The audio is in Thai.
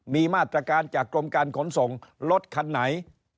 มีมาตรการจากกรมการขนส่งรถคันไหน